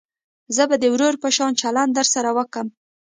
زه به د ورور په شان چلند درسره وکم.